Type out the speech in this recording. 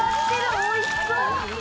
おいしそう。